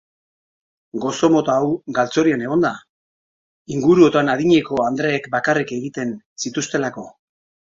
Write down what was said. Gozo mota hau galtzorian egon da, inguruotan adineko andreek bakarrik egiten zituztelako.